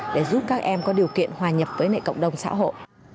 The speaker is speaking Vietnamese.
để giúp các em có điều kiện hòa nhập với cộng đồng xã hội